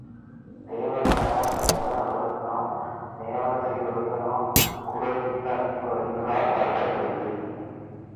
தேவ ரனையர் கயவர் அவருந்தாம் மேவன செய்தொழுக லான் குறள் இன்ப அன்பு அடிகளார் அறுபத்தைந்து.